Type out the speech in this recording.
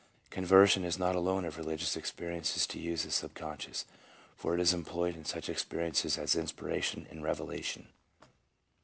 Conversion is not alone of religious experiences to use the subconscious, for it is employed in such experiences as inspiration and revelation.